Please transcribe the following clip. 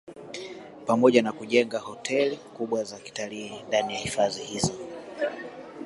Pamoja na kujenga hoteli kubwa za kitalii ndani ya hifadhi hizo